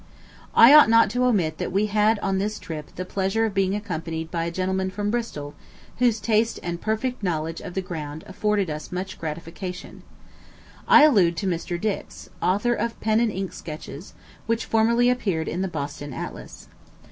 I ought not to omit that we had on this trip the pleasure of being accompanied by a gentleman from Bristol, whose taste and perfect knowledge of the ground afforded us much gratification. I allude, to Mr. Dix, author of "Pen and Ink Sketches," which formerly appeared in the Boston Atlas.